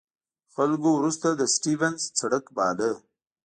خلکو وروسته د سټیونز سړک باله.